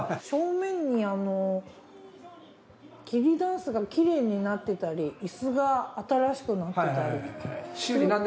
正面に桐だんすがきれいになってたり椅子が新しくなってたり。